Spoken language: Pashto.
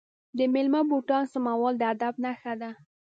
د میلمه بوټان سمول د ادب نښه ده.